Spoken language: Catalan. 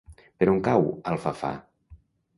Per on cau Alfafar?